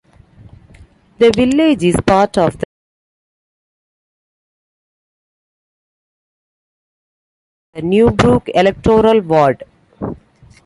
The village is part of the Newbrooke electoral ward.